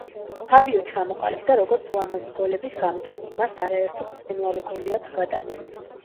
ფაბიო ჩამოყალიბდა როგორც ლამაზი გოლების გამტანი, მას არაერთი ბრწყინვალე გოლი აქვს გატანილი.